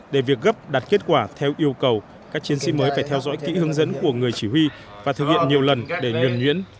để việc gấp đạt kết quả theo yêu cầu các chiến sĩ mới phải theo dõi kỹ hướng dẫn của người chỉ huy và thực hiện nhiều lần để nhuẩn nhuyễn